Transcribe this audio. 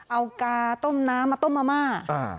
เอากาต้มน้ำมาต้มมะม่า